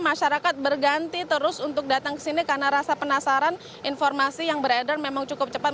masyarakat berganti terus untuk datang ke sini karena rasa penasaran informasi yang beredar memang cukup cepat